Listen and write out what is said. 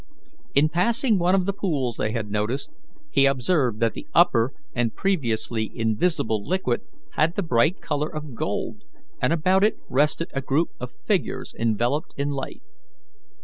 In passing one of the pools they had noticed, he observed that the upper and previously invisible liquid had the bright colour of gold, and about it rested a group of figures enveloped in light.